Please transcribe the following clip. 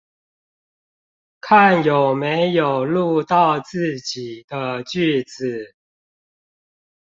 看有沒有錄到自己的句子